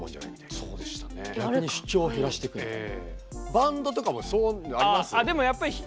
バンドとかもそういうのあります？